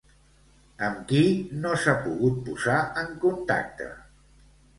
Amb qui no s'ha pogut posar en contacte?